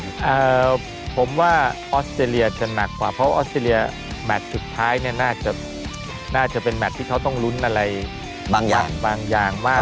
ผมว่าออสเตรเลียจะหนักกว่าเพราะว่าออสเตรเลียแมทสุดท้ายน่าจะเป็นแมทที่เขาต้องลุ้นอะไรบางอย่างมาก